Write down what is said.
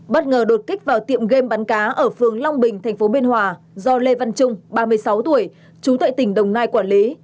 bất ngờ đột kích vào tiệm game bắn cá ở phường long bình tp biên hòa do lê văn trung ba mươi sáu tuổi trú tại tỉnh đồng nai quản lý